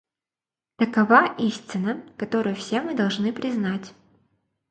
Такова истина, которую все мы должны признать.